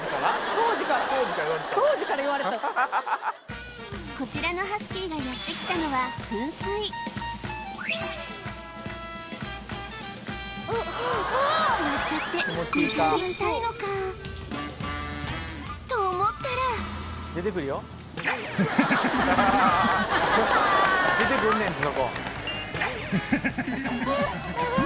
当時から当時からいわれてたこちらのハスキーがやってきたのは座っちゃって水浴びしたいのかと思ったら出てくんねんて